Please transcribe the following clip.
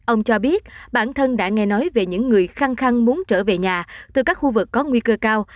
ông cho biết bản thân đã nghe nói về những người khăn khăn muốn trở về nhà từ các khu vực có nguy cơ cao